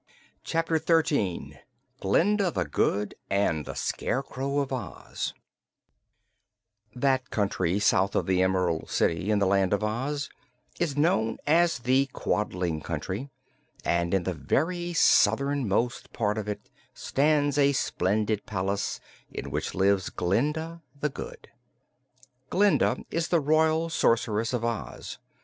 Chapter Thirteen Glinda the Good and the Scarecrow of Oz That country south of the Emerald City, in the Land of Oz, is known as the Quadling Country, and in the very southernmost part of it stands a splendid palace in which lives Glinda the Good. Glinda is the Royal Sorceress of Oz.